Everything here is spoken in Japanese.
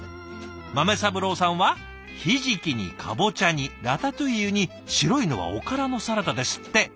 豆三郎さんはひじきにカボチャ煮ラタトゥイユに白いのはおからのサラダですって。